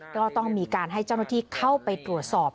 ก็ต้องมีการให้เจ้าหน้าที่เข้าไปตรวจสอบ